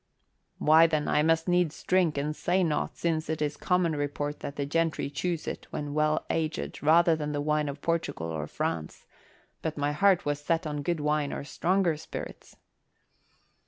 "Why, then, I must needs drink and say nought, since it is common report that the gentry choose it, when well aged, rather than the wine of Portugal or France. But my heart was set on good wine or stronger spirits."